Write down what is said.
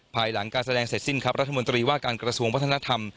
ภายหลังการแสดงเสร็จสิ้นครับรัฐมนตรีว่าการกระทรวงวัฒนธรรม